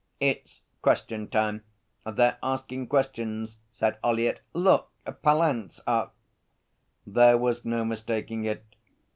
'It's question time. They're asking questions,' said Ollyett. 'Look! Pallant's up.' There was no mistaking it.